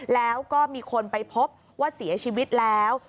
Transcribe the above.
แล้วก็มีคนไปพบว่าเสียชีวิตแล้ว